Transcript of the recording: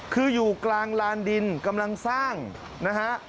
คืออยู่กลางลานดินกำลังสร้างนะฮะ